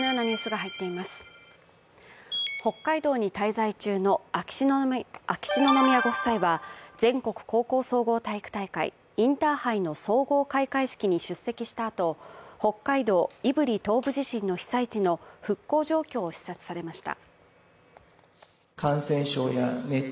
北海道に滞在中の秋篠宮ご夫妻は、全国高校総合体育大会＝インターハイの総合開会式に出席したあと、北海道胆振東部地震の被災地の復興状況を視察されました。